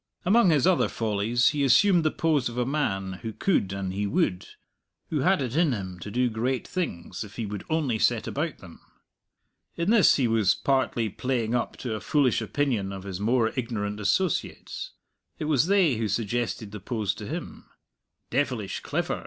Among his other follies, he assumed the pose of a man who could an he would who had it in him to do great things, if he would only set about them. In this he was partly playing up to a foolish opinion of his more ignorant associates; it was they who suggested the pose to him. "Devilish clever!"